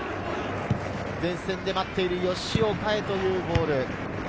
前線で待っている吉岡へというボール。